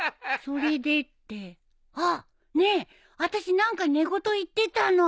それでってあっねえあたし何か寝言言ってたの？